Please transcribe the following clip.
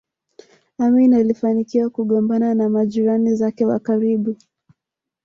Amin alifanikiwa kugombana na majirani zake wa karibu